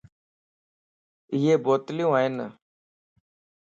ائي بوتليون ائين.